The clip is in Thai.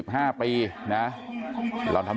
โลกไว้แล้วพี่ไข่โลกไว้แล้วพี่ไข่